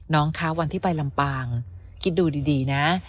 น้องคะวันที่ไปลำปางคิดดูดีนะ